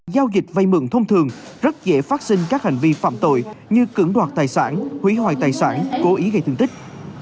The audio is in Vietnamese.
giao dịch vay mượn thông thường rất dễ phát sinh các hành vi phạm tội như cưỡng đoạt tài sản hủy hoại tài sản cố ý gây thương tích